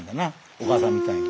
お母さんみたいに。